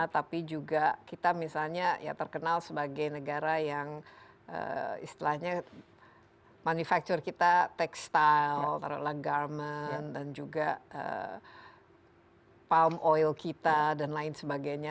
tapi juga kita misalnya terkenal sebagai negara yang isilahnya manufacture kita tekstil roti cintanya dan juga palm oil kita dan lain sebagainya